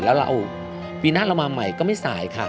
แล้วเราปีหน้าเรามาใหม่ก็ไม่สายค่ะ